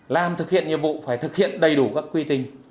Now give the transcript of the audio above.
làm thực hiện nhiệm vụ phải thực hiện đầy đủ các quy trình